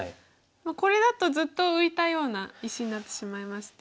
これだとずっと浮いたような石になってしまいまして。